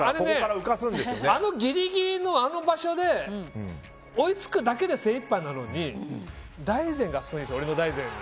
あのギリギリのあの場所で追いつくだけで精いっぱいなのに俺の大然が。